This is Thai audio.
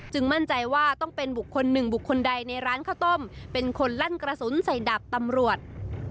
มั่นใจว่าต้องเป็นบุคคลหนึ่งบุคคลใดในร้านข้าวต้มเป็นคนลั่นกระสุนใส่ดาบตำรวจ